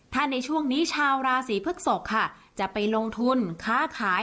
ถ้าในช่วงนี้ชาวราศีพฤกษกค่ะจะไปลงทุนค้าขาย